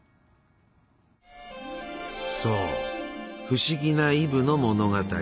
そう不思議なイブの物語。